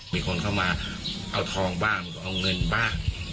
มีคนเข้ามาเอาทองบ้างเอาเงินบ้าง